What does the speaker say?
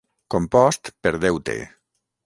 Compost per deute.